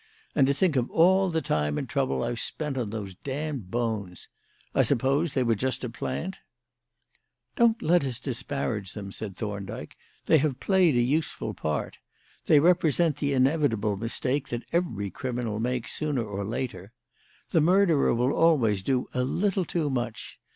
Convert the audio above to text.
And to think of all the time and trouble I've spent on those damned bones! I suppose they were just a plant?" "Don't let us disparage them," said Thorndyke. "They have played a useful part. They represent the inevitable mistake that every criminal makes sooner or later. The murderer will always do a little too much.